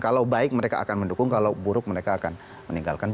kalau baik mereka akan mendukung kalau buruk mereka akan meninggalkan